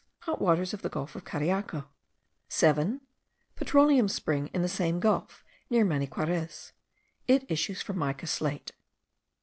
Hot waters of the gulf of Cariaco. 7. Petroleum spring in the same gulf, near Maniquarez. It issues from mica slate.